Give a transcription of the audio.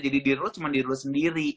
jadi diri lo cuman diri lo sendiri